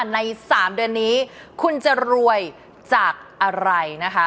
ใน๓เดือนนี้คุณจะรวยจากอะไรนะคะ